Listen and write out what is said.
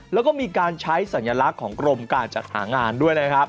แล้วก็มีการใช้สัญลักษณ์ของกรมการจัดหางานด้วยนะครับ